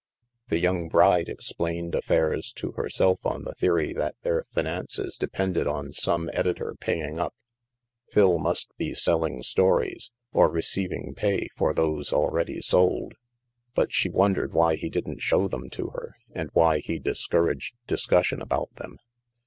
The young bride explained affairs to herself on the theory that their finances depended on some edi tor paying up. Phil must be selling stories, or re 132 THE MASK ceiving pay for those already sold. But she won dered why he didn't show them to her, and why he discouraged discussion about them.